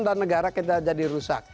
dan negara kita jadi rusak